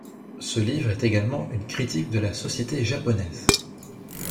Ce livre est également une critique de la société japonaise.